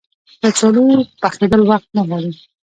کچالو پخېدل وخت نه غواړي